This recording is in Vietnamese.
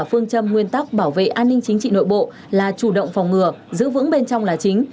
phương châm nguyên tắc bảo vệ an ninh chính trị nội bộ là chủ động phòng ngừa giữ vững bên trong là chính